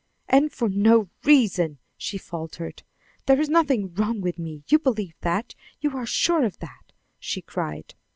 "And for no reason," she faltered; "there is nothing wrong with me. You believe that; you are sure of that," she cried.